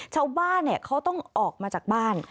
ชาวบ้านเขาต้องออกมาจากบ้าน